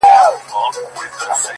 o سپوږمۍ ته گوره زه پر بام ولاړه يمه،